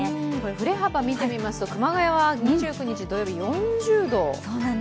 振れ幅を見てみますと、熊谷は２９日の土曜日、４０度。